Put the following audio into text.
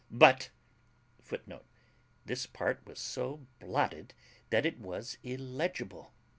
But [Footnote: This part was so blotted that it was illegible.